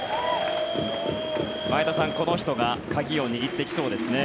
前田さん、この人が鍵を握ってきそうですね。